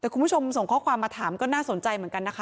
คุณผู้ชมส่งข้อความมาถามก็น่าสนใจ